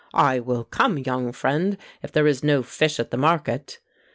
"I will come, young friend, if there is no fish at the market!"